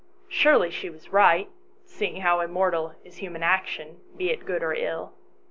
Surely she was right, seeing how immortal is human action, be it good or ill